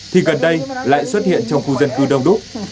thì gần đây lại xuất hiện trong khu dân cư đông đúc